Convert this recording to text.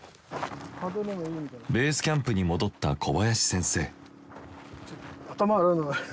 ベースキャンプに戻った小林先生。